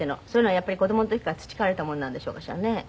そういうのはやっぱり子どもの時から培われたものなんでしょうかしらね。